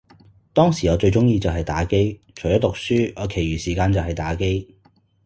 當時我最鍾意就係打機，除咗讀書，我其餘時間就係打機